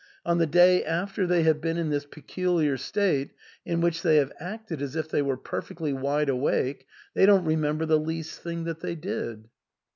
On the day after they have been in this peculiar state in which they have acted as if they were perfectly wide awake, they don't remember the least thing that they did."